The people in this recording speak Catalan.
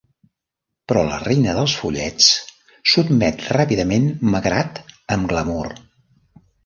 Però la reina dels follets sotmet ràpidament Magrat amb glamur.